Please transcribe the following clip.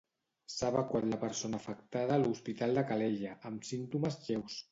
S'ha evacuat la persona afectada a l'Hospital de Calella, amb símptomes lleus.